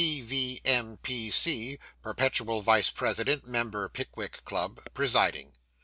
P.V.P.M.P.C. [Perpetual Vice President Member Pickwick Club], presiding.